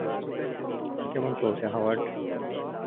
কেমন চলছে, হাওয়ার্ড?